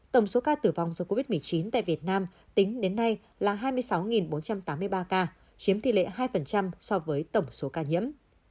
tổng số ca tử vong do covid một mươi chín tại việt nam tính đến nay là hai mươi sáu bốn trăm tám mươi ba ca chiếm tỷ lệ hai so với tổng số ca nhiễm